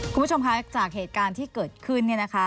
คุณผู้ชมคะจากเหตุการณ์ที่เกิดขึ้นเนี่ยนะคะ